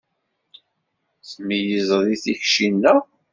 Tmeyyzeḍ i tikci-nneɣ?